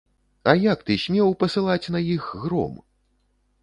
А як ты смеў пасылаць на іх гром?